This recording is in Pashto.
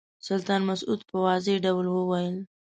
سلطان مسعود په واضح ډول وویل.